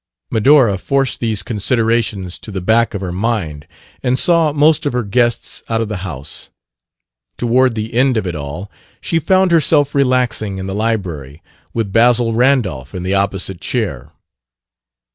Medora forced these considerations to the back of her mind and saw most of her guests out of the house. Toward the end of it all she found herself relaxing in the library, with Basil Randolph in the opposite chair.